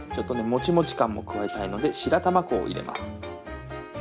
もちもち感も加えたいので白玉粉を入れます。